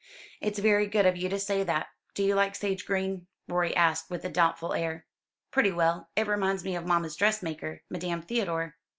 "It's very good of you to say that. Do you like sage green?" Rorie asked with a doubtful air. "Pretty well. It reminds me of mamma's dress maker, Madame Theodore."